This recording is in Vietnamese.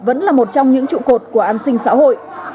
vẫn là một trong những trụ cột của an sinh xã hội